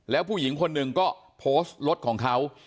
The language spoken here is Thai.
แล้วผู้หญิงคนหนึ่งก็โพสต์รถของเขา